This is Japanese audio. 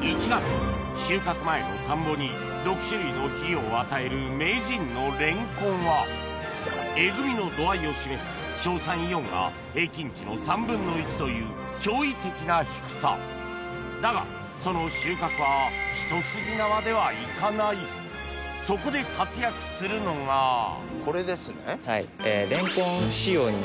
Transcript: １月収穫前の田んぼに６種類の肥料を与える名人のレンコンはえぐみの度合いを示す硝酸イオンが平均値の３分の１という驚異的な低さだがその収穫はそこで活躍するのがこれですね。